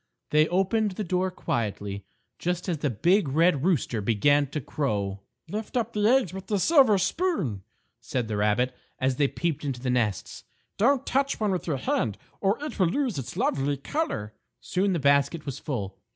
They opened the door quietly, just as the big Red Rooster began to crow. "Lift up the eggs with the silver spoon," said the rabbit, as they peeped into the nests; "don't touch one with your hand or it will lose its lovely color." Soon the basket was full.